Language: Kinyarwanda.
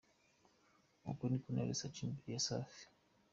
Uwo ni Knowless aca imbere ya Safi.